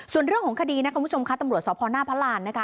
ส่วนเรื่องของคดีนะคุณผู้ชมค่ะตำรวจสพหน้าพระรานนะคะ